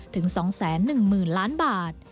ถึง๒๑๐๐๐ล้านบาท